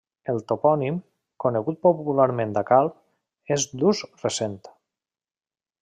El topònim, conegut popularment a Calp, és d'ús recent.